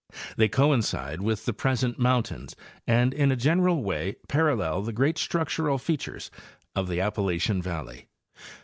They coincide with the present mountains and in a general way parallel the great structural features of the Appalachian valley.